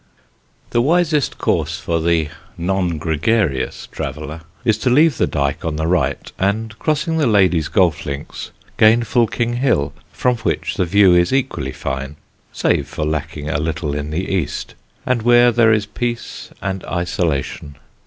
[Sidenote: A SEA OF MIST] The wisest course for the non gregarious traveller is to leave the Dyke on the right, and, crossing the Ladies' Golf Links, gain Fulking Hill, from which the view is equally fine (save for lacking a little in the east) and where there is peace and isolation.